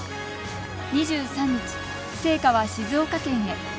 ２３日、聖火は静岡県へ。